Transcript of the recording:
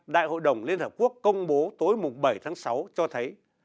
đại hội đồng liên hợp quốc công bố tối bảy tháng sáu cho thấy